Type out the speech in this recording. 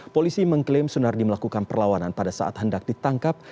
polisi mengklaim sunardi melakukan perlawanan pada saat hendak ditangkap